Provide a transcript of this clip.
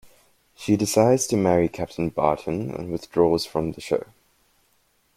She decides to marry Captain Barton and withdraws from the show.